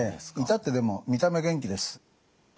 至ってでも見た目元気です。